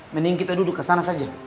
mending kita duduk kesana saja